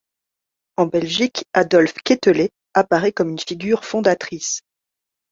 En Belgique, Adolphe Quételet apparaît comme une figure fondatrice.